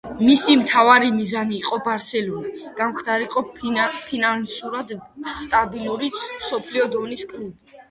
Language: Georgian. მისი მთავარი მიზანი იყო „ბარსელონა“ გამხდარიყო ფინანსურად სტაბილური მსოფლიო დონის კლუბი.